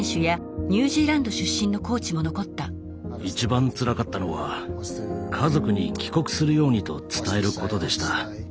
一番つらかったのは家族に帰国するようにと伝えることでした。